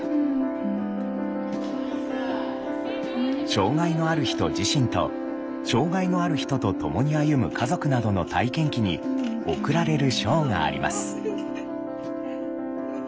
障害のある人自身と障害のある人と共に歩む家族などの体験記に贈られる賞があります。